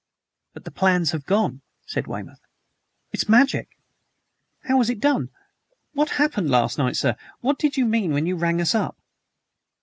"But the plans have gone," said Weymouth. "It's magic! How was it done? What happened last night, sir? What did you mean when you rang us up?"